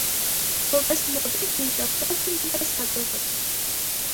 Որպես մոդել երիտասարդը նույնպես հաջողակ է։